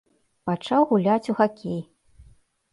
Пачаў гуляць у хакей.